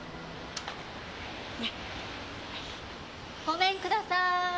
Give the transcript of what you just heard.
ごめんください。